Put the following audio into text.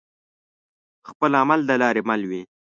خپل عمل د لاري مل وي